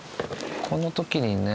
この時にね。